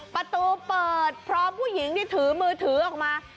ประตูเปิดพร้อมผู้หญิงที่ถือมือถือออกมา